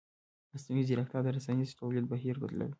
مصنوعي ځیرکتیا د رسنیز تولید بهیر بدلوي.